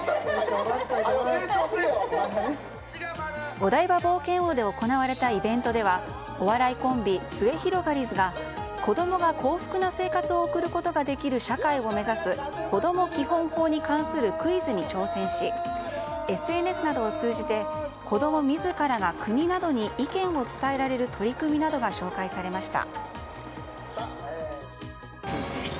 お台場冒険王で行われたイベントではお笑いコンビ、すゑひろがりずが子供が幸福な生活を送ることができる社会を目指す、こども基本法に関するクイズに挑戦しＳＮＳなどを通じて子供自らが国などに意見を伝えられる取り組みなどが紹介されました。